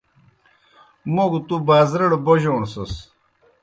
موْ گہ تُوْ بازرَڑ بوجوݨسَس۔